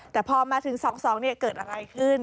แต่พอมาถึง๒๒เกิดอะไรขึ้น